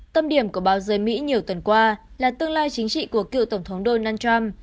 tâm điểm của báo giới mỹ nhiều tuần qua là tương lai chính trị của cựu tổng thống donald trump